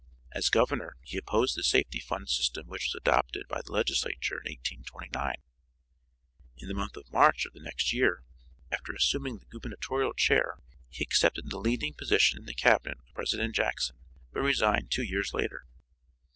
As governor he opposed the safety fund system which was adopted by the legislature in 1829. In the month of March of the next year after assuming the gubernatorial chair he accepted the leading position in the cabinet of President Jackson but resigned two years later.